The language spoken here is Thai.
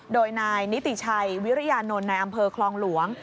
โดยนายนิติชัยวิริยานนท์ในอำเภอคลองหลวง